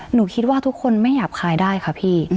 หนูคิดว่าทุกคนไม่หยาบคายได้ค่ะพี่